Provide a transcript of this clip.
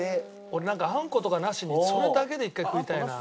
俺なんかあんことかなしにそれだけで一回食いたいな。